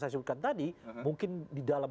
saya sebutkan tadi mungkin di dalam